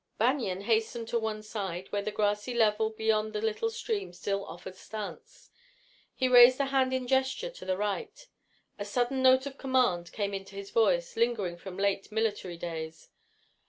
Banion hastened to one side, where a grassy level beyond the little stream still offered stance. He raised a hand in gesture to the right. A sudden note of command came into his voice, lingering from late military days.